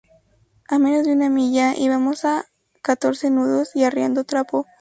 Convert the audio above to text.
a menos de una milla. y vamos a catorce nudos y arriando trapo.